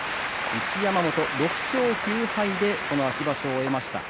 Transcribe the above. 一山本、６勝９敗で秋場所を終えました。